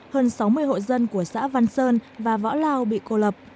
hơn sáu mươi hộ dân của xã văn sơn và võ lao bị cô lập